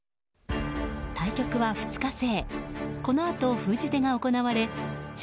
対局は２日制。